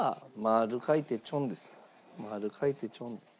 「まるかいてちょん」です。